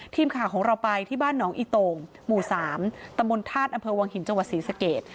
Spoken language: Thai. ทีมข่าวของเราไปที่บ้านหนองอิตงหมู่๓ตมธาตุอวงหินจศสเกต